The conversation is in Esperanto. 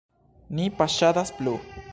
Ni paŝadas plu.